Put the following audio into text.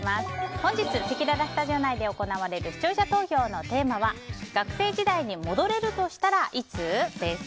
本日せきららスタジオ内で行われる視聴者投票のテーマは学生時代に戻れるとしたらいつ？です。